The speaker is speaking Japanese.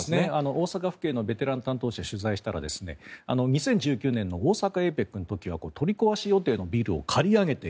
大阪府警のベテラン担当者を取材したら２０１９年の大阪ＡＰＥＣの時は取り壊し予定のビルを借り上げて